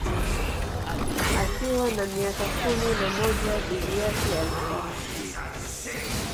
Akiwa na miaka kumi na moja bibi yake alifariki